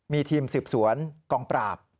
มีทีมสืบสวนกองปราบ